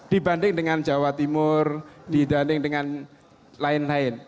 dibanding dengan jawa timur dibanding dengan lain lain